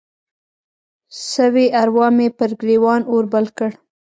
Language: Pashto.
سوي اروا مې پر ګریوان اور بل کړ